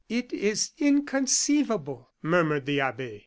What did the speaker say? "It is inconceivable!" murmured the abbe.